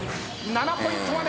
７ポイントまで。